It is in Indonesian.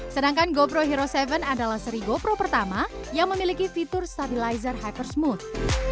sedangkan gopro hero tujuh adalah seri gopro pertama yang memiliki fitur stabilizer hypers mood